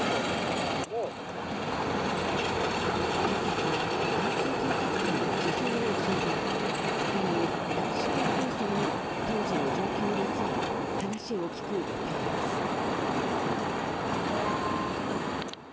警察は男性警察官に事情を聴いていて今後、男子高校生にも当時の状況について話を聞く予定です。